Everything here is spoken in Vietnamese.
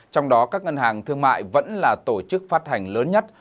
trong đó các ngân hàng thương mại vẫn là tổ chức phát hành lớn nhất